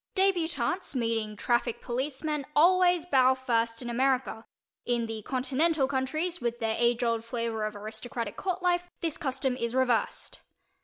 Débutantes meeting traffic policemen always bow first in America; in the Continental countries, with their age old flavor of aristocratic court life, this custom is reversed.